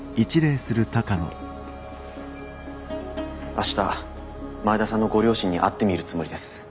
明日前田さんのご両親に会ってみるつもりです。